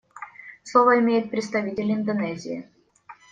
Слово имеет представитель Индонезии.